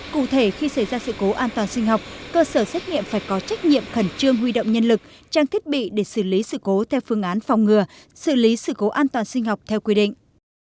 cụ thể khi xảy ra sự cố an toàn sinh học cơ sở xét nghiệm phải có trách nhiệm khẩn trương huy động nhân lực trang thiết bị để xử lý sự cố theo phương án phòng ngừa xử lý sự cố an toàn sinh học theo quy định